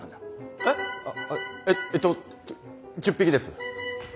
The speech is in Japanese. は？ええっと１０匹です。